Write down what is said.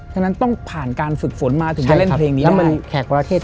ฉะนั้นต้องผ่านการฝึกฝนมาถึงจะเล่นเพลงนี้แล้วมันแขกประเทศ